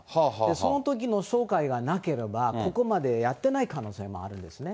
そのときの紹介がなければ、ここまでやってない可能性もあるんですね。